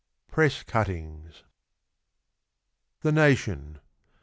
97 PRESS CUTTINGS. THE NATION.